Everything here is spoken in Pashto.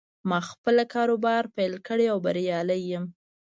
ما خپله کاروبار پیل کړې او بریالی یم